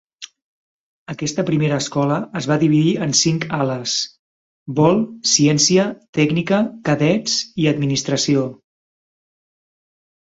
Aquesta primera escola es va dividir en cinc "ales": vol, ciència, tècnica, cadets i administració.